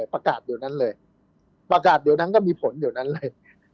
ประกาศเดี๋ยวนั้นเลยประกาศเดี๋ยวนั้นก็มีผลเดี๋ยวนั้นเลย